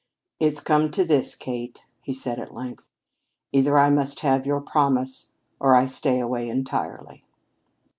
"It's come to this, Kate," he said at length. "Either I must have your promise or I stay away entirely."